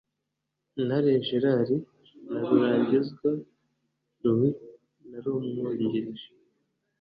Ntare Gerard na Rurangirwa Louis wari umwungirije